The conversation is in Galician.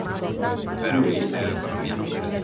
¿Que modifica?